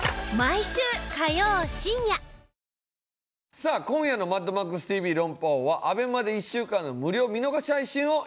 さあ今夜の『マッドマックスＴＶ論破王』はＡＢＥＭＡで１週間の無料見逃し配信をいたします。